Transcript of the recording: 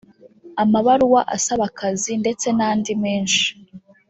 amabaruwa asaba akazi ndetse n’andi menshi